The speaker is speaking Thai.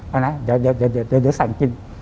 เอานะเดี๋ยวสั่งกิน